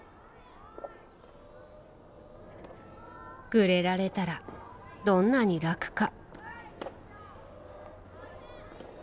グレられたら、どんなに楽か。